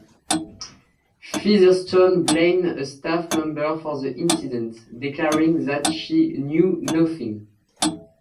Featherstone blamed a staff member for the incident, declaring that she "knew nothing".